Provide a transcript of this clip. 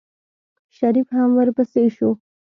شريف هم ورپسې شو.